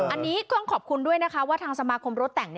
อันนี้ต้องขอบคุณด้วยนะคะว่าทางสมาคมรถแต่ง